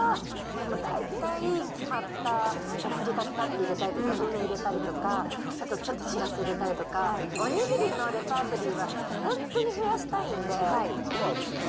でも大体決まった、ふりかけぱっと入れたりとか、梅入れたりとか、あとちょっとシラス入れたりとか、おにぎりのレパートリーは本当に増やしたいんで。